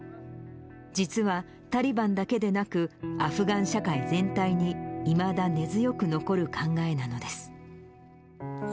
実はタリバンだけでなく、アフガン社会全体に、いまだ根強く残る考えなのです。